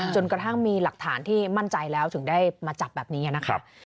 กระทั่งมีหลักฐานที่มั่นใจแล้วถึงได้มาจับแบบนี้นะคะ